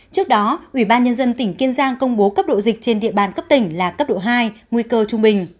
trước đó ủy ban nhân dân tỉnh kiên giang công bố cấp độ dịch trên địa bàn cấp tỉnh là cấp độ hai nguy cơ trung bình